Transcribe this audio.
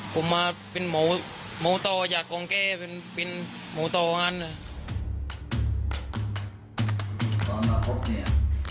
ผมมาเป็นหมอตออย่างกองแกเป็นหมอตออย่างนั้น